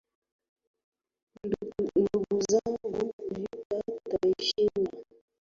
Ndugu zangu vita tutaishinda